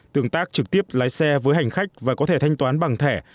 tương tác trực tiếp lái xe với hành khách và có thể thanh toán bằng thẻ